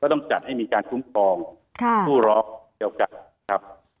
ต้องจัดให้มีการคุ้มครองผู้ร้องเดียวกันครับ